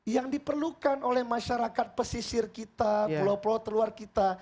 yang diperlukan oleh masyarakat pesisir kita pulau pulau terluar kita